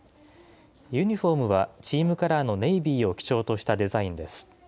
ユニホームはチームカラーのネイビーを基調としたデザインです。